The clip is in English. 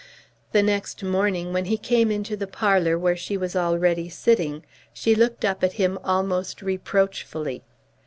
The next morning when he came into the parlour where she was already sitting, she looked up at him almost reproachfully.